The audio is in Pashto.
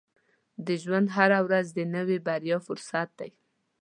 • د ژوند هره ورځ د نوې بریا فرصت دی.